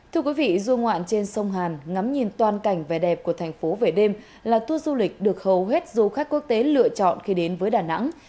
thưa quý vị du ngoạn trên sông hàn ngắm nhìn toàn cảnh vẻ đẹp của thành phố về đêm là tour du lịch được hầu hết du khách quốc tế lựa chọn khi đến với đà nẵng